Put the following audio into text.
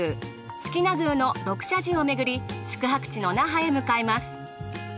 識名宮の６社寺をめぐり宿泊地の那覇へ向かいます。